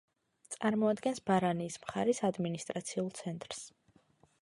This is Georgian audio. წარმოადგენს ბარანიის მხარის ადმინისტრაციულ ცენტრს.